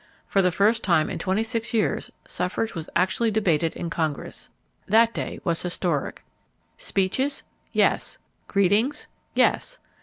For the first time in twenty six years suffrage was actually debated in Congress. That day was historic. Speeches? Yes. Greetings? Yes.